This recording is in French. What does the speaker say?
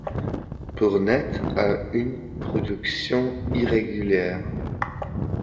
Bournette a une production irrégulière.